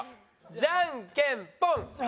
じゃんけんポン！